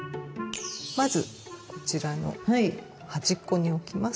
まずこちらの端っこに置きます。